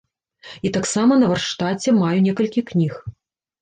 І таксама на варштаце маю некалькі кніг.